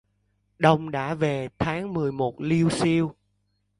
Đông đã về tháng mười một liêu xiêu...!